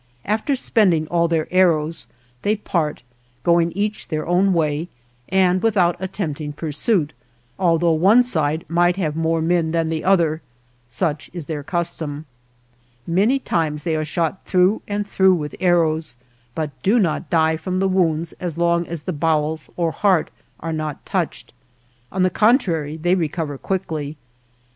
After spend ing all their arrows, they part, going each their own way, and without attempting pur suit, although one side might have more men than the other ; such is their custom. Many times they are shot through and through with arrows, but do not die from the wounds as long as the bowels or heart are not touched; on the contrary, they re cover quickly.